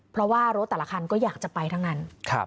เพราะว่ารถแต่ละคันก็อยากจะไปทั้งนั้น